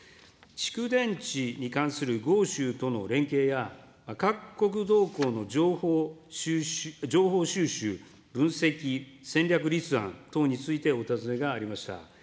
蓄電池に関する豪州との連携や、各国動向の情報収集、分析、戦略立案等についてお尋ねがありました。